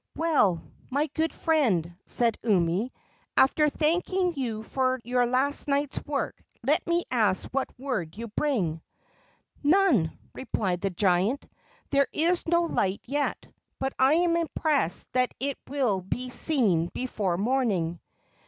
"Well, my good friend," said Umi, "after thanking you for your last night's work, let me ask what word you bring." "None," replied the giant. "There is no light yet, but I am impressed that it will be seen before morning."